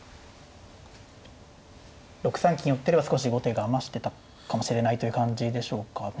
６三金寄ってれば少し後手が余してたかもしれないという感じでしょうかね。